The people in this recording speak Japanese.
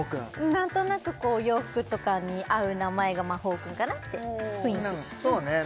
何となく洋服とかに合う名前がマホーくんかなって雰囲気そうね